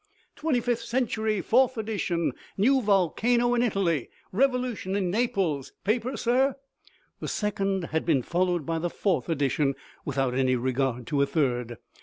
" Twenty fifth Century, fourth edition ! New volcano in Italy ! Revolution in Naples ! Paper, sir f " The second had been followed by the fourth edition without any regard to a third.